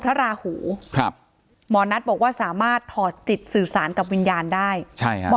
ราหูครับหมอนัทบอกว่าสามารถถอดจิตสื่อสารกับวิญญาณได้ใช่ฮะหมอ